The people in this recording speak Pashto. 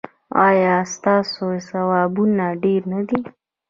ایا ستاسو ثوابونه ډیر نه دي؟